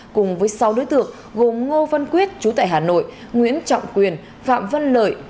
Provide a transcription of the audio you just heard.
cùng với sáu đối tượng gồm ngô văn quyết chú tại hà nội nguyễn trọng quyền phạm văn lợi